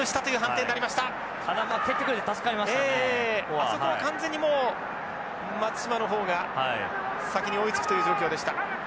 あそこは完全にもう松島の方が先に追いつくという状況でした。